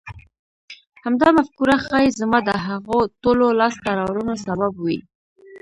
همدا مفکوره ښايي زما د هغو ټولو لاسته راوړنو سبب وي.